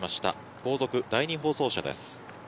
後続第２放送車です。